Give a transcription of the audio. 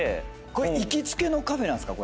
これ行きつけのカフェなんすか？